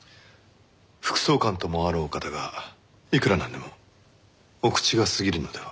副総監ともあろうお方がいくらなんでもお口が過ぎるのでは？